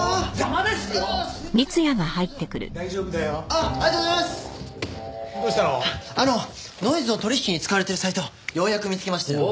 あのノイズの取引に使われているサイトようやく見つけましたよ。